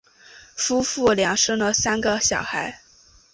夫妇俩生了三个小孩。